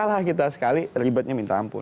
kalah kita sekali ribetnya minta ampun